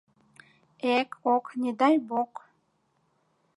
Эк, ок, не дай бог